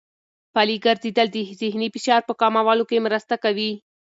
پلي ګرځېدل د ذهني فشار په کمولو کې مرسته کوي.